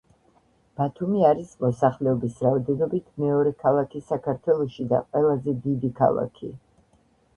ბათუმი არის მოსახლეობის რაოდენობით მეორე ქალაქი საქართველოში და ყველაზე დიდი ქალაქი